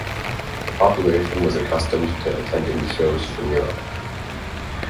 The population was accustomed to attending shows from Europe.